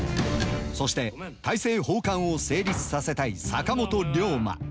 そして大政奉還を成立させたい坂本龍馬。